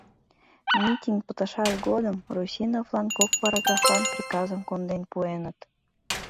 Митинг пытышаш годым Русиновлан кок параграфан приказым конден пуэныт.